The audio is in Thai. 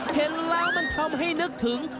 เห็นแล้วมันทำให้นึกถึง